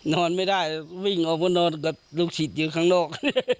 นอนไม่ได้วิ่งออกมานอนกับลูกศิษย์อยู่ข้างนอก